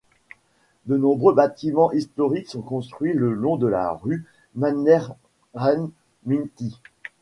De nombreux bâtiments historiques sont construits le long de la rue Mannerheimintie.